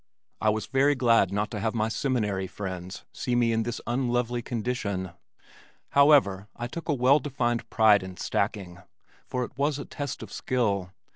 I was very glad not to have my Seminary friends see me in this unlovely condition. However, I took a well defined pride in stacking, for it was a test of skill.